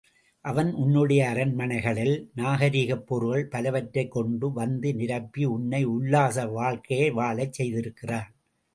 அவன் உன்னுடைய அரண்மனைகளில், நாகரிகப் பொருள்கள் பலவற்றைக் கொண்டு வந்து நிரப்பி உன்னை உல்லாச வாழ்க்கை வாழச் செய்திருக்கிறான்.